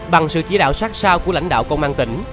bằng sự chỉ đạo sát sao của lãnh đạo công an tỉnh